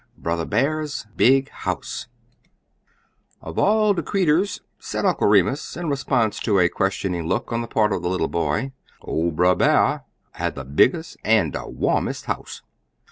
BROTHER BEAR'S BIG HOUSE "Uv all de creeturs", said Uncle Remus, in response to a questioning took on the part of the little boy, "ol Brer B'ar had de biggest an' de warmest house.